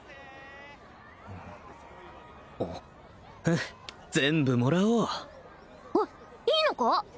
あっフッ全部もらおうえっいいのか？